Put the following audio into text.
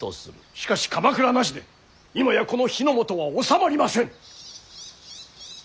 しかし鎌倉なしで今やこの日本は治まりません。